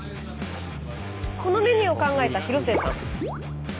このメニューを考えた広末さん。